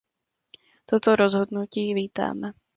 Toto rozhodnutí vítáme.